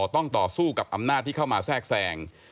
ต้องต่อสู้กับอำนาจที่เข้ามาแทรกแทรง